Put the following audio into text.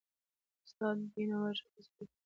استاد د بینوا ژبه ساده، خو پیاوړی ده.